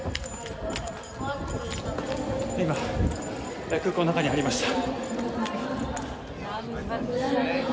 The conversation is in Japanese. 今、空港の中に入りました。